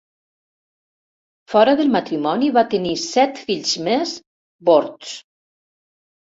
Fora del matrimoni va tenir set fills més, bords.